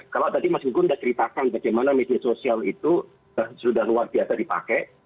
kalau tadi mas gunggun sudah ceritakan bagaimana media sosial itu sudah luar biasa dipakai